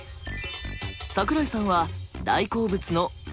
桜井さんは大好物の「いちご」。